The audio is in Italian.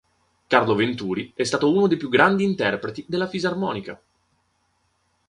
Carlo Venturi è stato uno dei più grandi interpreti della fisarmonica.